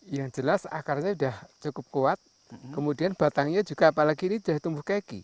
yang jelas akarnya sudah cukup kuat kemudian batangnya juga apalagi ini sudah tumbuh keki